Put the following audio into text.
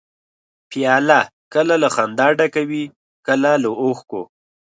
پیاله کله له خندا ډکه وي، کله له اوښکو.